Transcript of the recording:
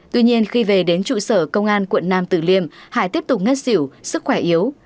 tuy nhiên khi về đến trụ sở công an quận nam tử liêm hải tiếp tục ngất xỉu sức khỏe yếu